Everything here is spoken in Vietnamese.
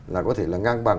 là có thể là ngang bằng